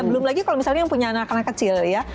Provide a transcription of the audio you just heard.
belum lagi kalau misalnya yang punya anak anak kecil ya